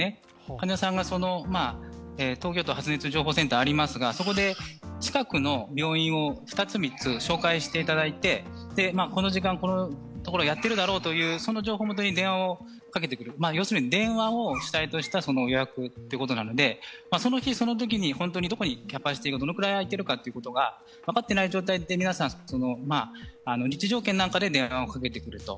患者さんが東京都発熱情報センターがありますが、そこで近くの病院を２つ、３つ、紹介していただいて、この時間、このところやっているだろうという情報も元に電話をかけてくる、要するに電話を主体とした予約ということなのでその日その時にどこにキャパシティーがどのくらい空いているか、分かっていない状態で皆さん日常圏の中で電話をかけてくる。